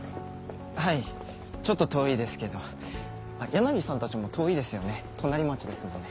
はいちょっと遠いですけど柳さんたちも遠いですよね隣町ですもんね。